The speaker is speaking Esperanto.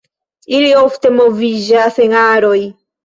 Ili ofte moviĝas en aroj.